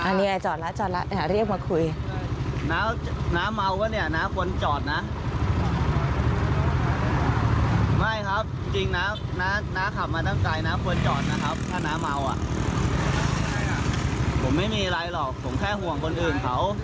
อันนี้ไงจอดแล้วจอดแล้วอย่าเรียกมาคุย